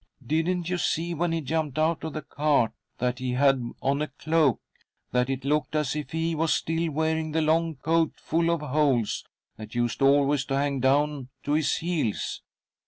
Didn't you see, when he jumped out of the cart, that he had on a cloak that it looked as if he : was still wearing the long coat, full of holes, that used always to hang down to his heels?